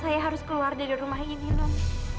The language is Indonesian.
saya harus keluar dari rumah ini non